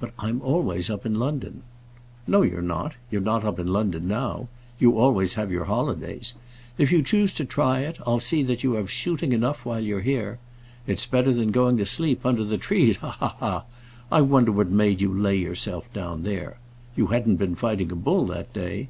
"But I'm always up in London." "No, you're not. You're not up in London now. You always have your holidays. If you choose to try it, I'll see that you have shooting enough while you're here. It's better than going to sleep under the trees. Ha, ha, ha! I wonder what made you lay yourself down there. You hadn't been fighting a bull that day?"